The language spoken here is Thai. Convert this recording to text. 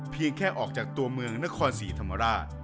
เพียงแค่ออกจากตัวเมืองนครศรีธรรมราช